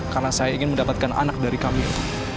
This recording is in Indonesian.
karena saya ingin mendapatkan anak dari kamila